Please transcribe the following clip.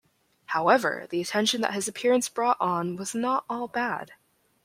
However, the attention that his appearance brought on was not all bad.